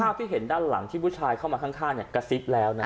ที่เห็นด้านหลังที่ผู้ชายเข้ามาข้างกระซิบแล้วนะ